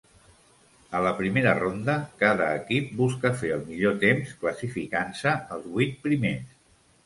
A la primera ronda cada equip busca fer el millor temps, classificant-se els vuit primers.